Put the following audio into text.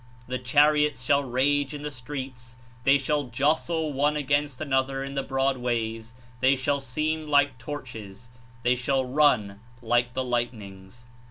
The chariots shall rage in the streets, they shall jostle one against another in the broad ways; they shall seem like torch es, they shall run like the lightnings."